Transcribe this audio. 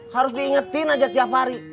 harus diingetin aja tiap hari